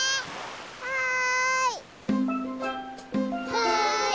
はい。